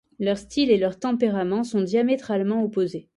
Leur style et leur tempérament sont diamétralement opposés.